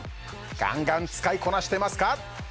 ガンガン使いこなしてますか？